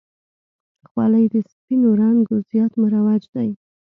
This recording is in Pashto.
خولۍ د سپینو رنګو زیات مروج دی.